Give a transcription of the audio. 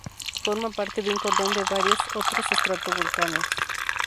Forma parte de un cordón de varios otros estratovolcanes.